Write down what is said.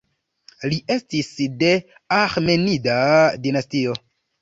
Li estis de Aĥemenida dinastio.